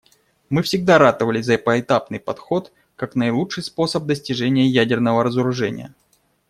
Мы всегда ратовали за поэтапный подход как наилучший способ достижения ядерного разоружения.